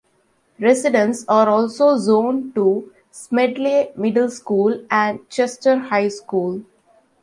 Residents are also zoned to Smedley Middle School and Chester High School.